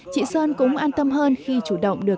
chị sơn cũng an tâm hơn khi chủ động được